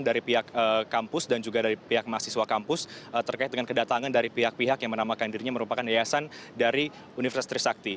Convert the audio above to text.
dari pihak kampus dan juga dari pihak mahasiswa kampus terkait dengan kedatangan dari pihak pihak yang menamakan dirinya merupakan yayasan dari universitas trisakti